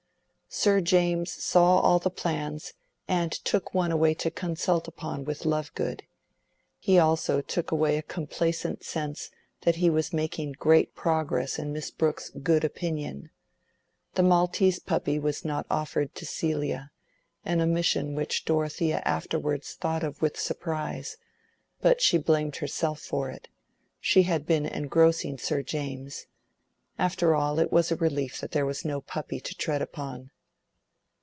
Sir James saw all the plans, and took one away to consult upon with Lovegood. He also took away a complacent sense that he was making great progress in Miss Brooke's good opinion. The Maltese puppy was not offered to Celia; an omission which Dorothea afterwards thought of with surprise; but she blamed herself for it. She had been engrossing Sir James. After all, it was a relief that there was no puppy to tread upon.